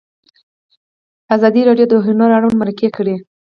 ازادي راډیو د هنر اړوند مرکې کړي.